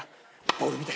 ボール見て！」